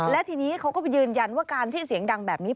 และทีนี้เขาก็ยืนยันว่าการที่เสียงดังแบบนี้